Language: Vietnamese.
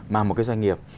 mà một cái doanh nghiệp